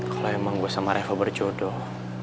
kalau emang gue sama revo berjodoh